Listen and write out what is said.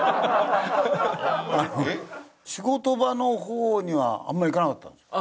仕事場の方にはあんまり行かなかったんですよ。